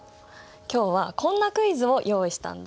今日はこんなクイズを用意したんだ。